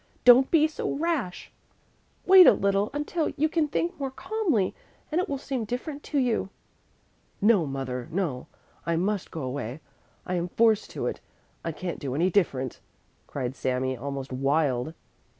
"Don't be so rash! Wait a little, until you can think more calmly; it will seem different to you." "No, mother, no, I must go away. I am forced to it; I can't do any different," cried Sami, almost wild.